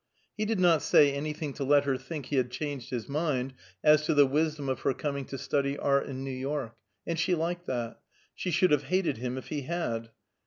He did not say anything to let her think he had changed his mind as to the wisdom of her coming to study art in New York; and she liked that; she should have hated him if he had.